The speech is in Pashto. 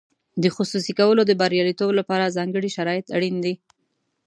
د خصوصي کولو د بریالیتوب لپاره ځانګړي شرایط اړین دي.